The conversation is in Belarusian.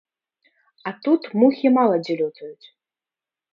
А тут мухі мала дзе лётаюць.